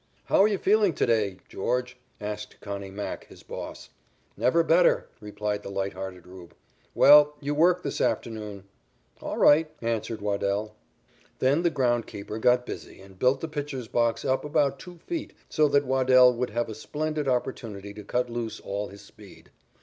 "How are you feeling to day, George?" asked "Connie" Mack, his boss. "Never better," replied the light hearted "Rube." "Well, you work this afternoon." "All right," answered Waddell. Then the ground keeper got busy and built the pitcher's box up about two feet, so that Waddell would have a splendid opportunity to cut loose all his speed.